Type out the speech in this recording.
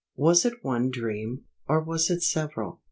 Was it one dream, or was it several?